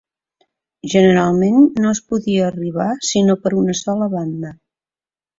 Generalment, no es podia arribar sinó per una sola banda.